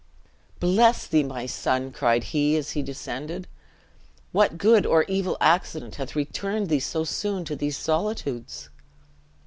"Bless thee, my son," cried he, as he descended; "what good or evil accident hath returned thee so soon to these solitudes?"